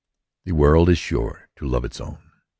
The world is sure to love its own.